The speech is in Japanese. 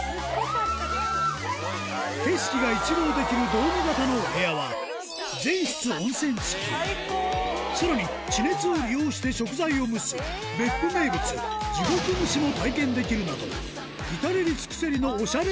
景色が一望できるドーム形の部屋はさらに地熱を利用して食材を蒸す別府名物地獄蒸しも体験できるなど至れり尽くせりのおしゃれ